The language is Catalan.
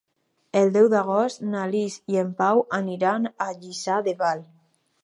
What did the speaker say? El deu d'agost na Lis i en Pau aniran a Lliçà de Vall.